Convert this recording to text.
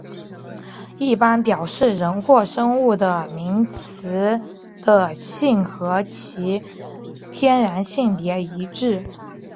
一般表示人或生物的名词的性和其天然性别一致。